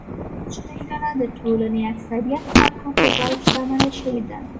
دغه کوچنۍ ډله د ټولنې اکثریت خلکو په بیه شتمنه شوې ده.